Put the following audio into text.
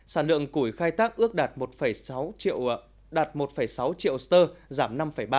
sản lượng củi khai thác ước đạt một sáu triệu ster giảm năm ba